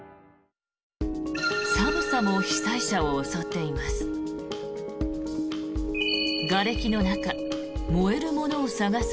寒さも被災者を襲っています。